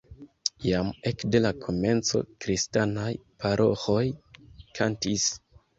Jam ekde la komenco kristanaj paroĥoj kantis.